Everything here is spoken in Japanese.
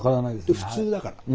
普通だから。